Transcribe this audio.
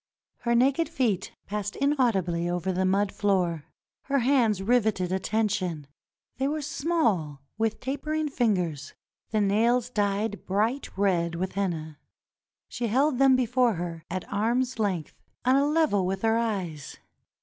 Her naked feet passed inaudibly over the mud floor. Her hands riveted attention. They were small, with tapering fingers, the nails dyed bright red with henna. She held them before her at arm's length, on a level with her eyes.